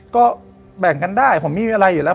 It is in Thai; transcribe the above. ก็แบ่งกันได้ผมไม่มีอะไรอยู่แล้ว